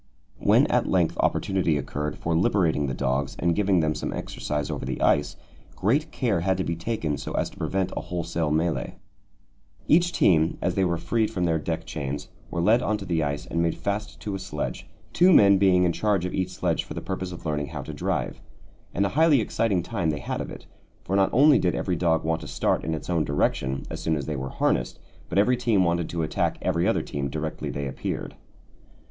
When at length opportunity occurred for liberating the dogs and giving them some exercise over the ice, great care had to be taken so as to prevent a wholesale mêlée. Each team, as they were freed from their deck chains, were led on to the ice and made fast to a sledge, two men being in charge of each sledge for the purpose of learning how to drive. And a highly exciting time they had of it, for not only did every dog want to start in its own direction as soon as they were harnessed, but every team wanted to attack every other team directly they appeared.